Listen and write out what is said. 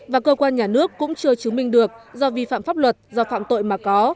và cơ quan nhà nước cũng chưa chứng minh được do vi phạm pháp luật do phạm tội mà có